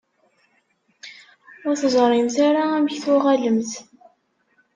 Ur teẓrimt ara amek tuɣalemt?